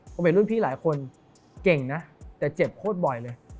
ผมเป็นรุ่นพี่หลายคนเก่งนะแต่เจ็บโคตรบ่อยเลย